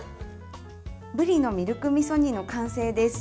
ぶりのミルクみそ煮の完成です。